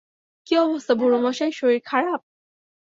কী অবস্থা বুড়ো মশাই, শরীর খারাপ?